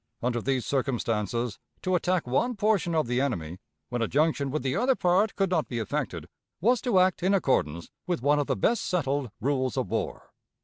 Under these circumstances, to attack one portion of the enemy, when a junction with the other part could not be effected, was to act in accordance with one of the best settled rules of war.